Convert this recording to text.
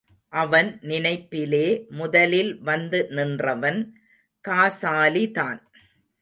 அவன் நினைப்பிலே முதலில் வந்து நின்றவன், காசாலிதான்.